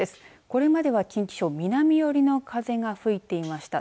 これまでは近畿地方南寄りの風が吹いていました。